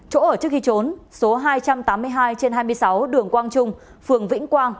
chỗ ở trước khi trốn số hai trăm tám mươi hai trên hai mươi sáu đường quang trung phường vĩnh quang